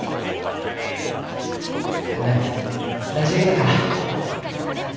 俺大丈夫だから。